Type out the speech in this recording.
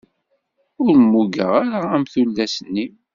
Ur mmugeɣ ara am tullas-nni.